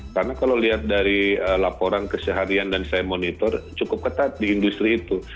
karena kalau lihat dari laporan keseharian dan saya monitor cukup ketat di industri itu